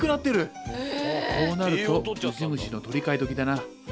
こうなるとウジ虫の取り替えどきだな。